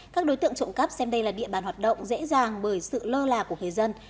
các đối tượng trộm cắp xem đây là địa bàn hoạt động dễ dàng bởi sự lơ là của người dân